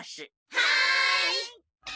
はい！